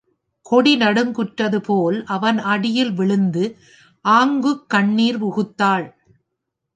கொடி நடுக்குற்றது போல் அவன் அடியில் விழுந்து ஆங்குக் கண்ணீர் உகுத்தாள்.